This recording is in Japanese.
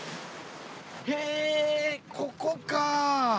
へぇここか。